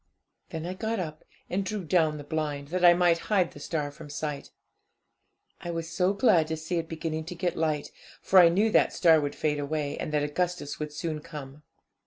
'Then I got up, and drew down the blind, that I might hide the star from sight. I was so glad to see it beginning to get light, for I knew that the star would fade away, and that Augustus would soon come.